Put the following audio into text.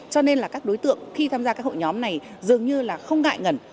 cho nên là các đối tượng khi tham gia các hội nhóm này dường như là không ngại ngẩn